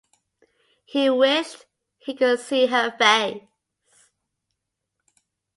He wished he could see her face.